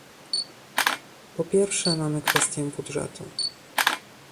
Po pierwsze mamy kwestię budżetu